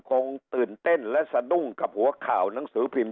คงตื่นเต้นและสะดุ้งกับหัวข่าวหนังสือพิมพ์